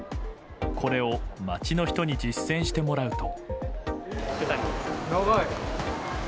これを街の人に実践してもらうと。